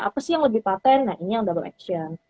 apa sih yang lebih patent nah ini yang double action